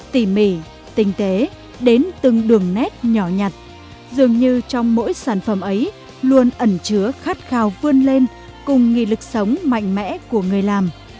tỉ mỉ tinh tế đến từng đường nét nhỏ nhặt dường như trong mỗi sản phẩm ấy luôn ẩn chứa khát khao vươn lên cùng nghị lực sống mạnh mẽ của người làm